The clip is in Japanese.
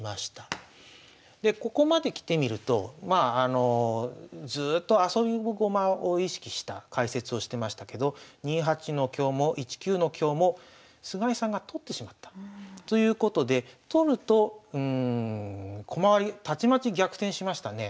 でここまで来てみるとずっとあそび駒を意識した解説をしてましたけど２八の香も１九の香も菅井さんが取ってしまったということで取ると駒割りたちまち逆転しましたね。